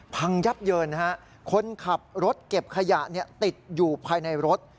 พังยับเยินนะฮะคนขับรถเก็บขยะติดอยู่ภายในรถ